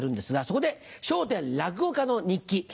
そこで「笑点落語家の日記」。